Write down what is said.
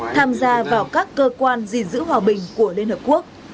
tham gia vào các cơ quan gìn giữ hòa bình của liên hợp quốc